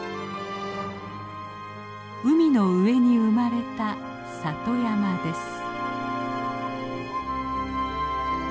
海の上に生まれた里山です。